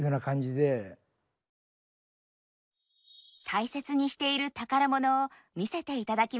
大切にしている宝物を見せていただきました。